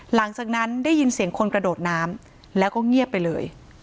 หลังจากนั้นได้ยินเสียงคนกระโดดน้ำแล้วก็เงียบไปเลย